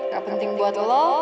ga penting buat lo